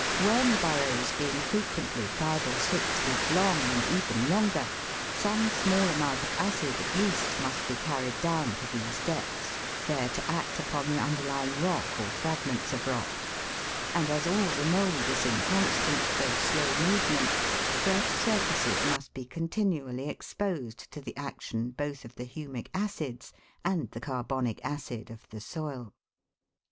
Worm burrows being frequently five or six feet long and even longer, some small amount of acid at least must be carried down to these depths, there to act upon the underlying rock or fragments of rock ; and as all the mould is in constant though slow movement, fresh surfaces must be continually exposed to the action both of the humic acids and the carbonic acid of the soil.